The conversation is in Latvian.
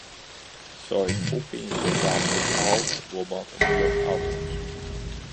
Sojas pupiņas ir galvenais augu olbaltumvielu avots.